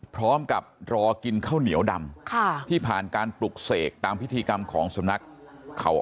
พร้อมกับรอกินข้าวเหนียวดำค่ะที่ผ่านการปลุกเสกตามพิธีกรรมของสำนักเขา